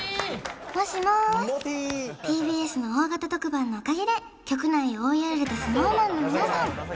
ＴＢＳの大型特番のおかげで局内を追いやられたＳｎｏｗＭａｎの皆さん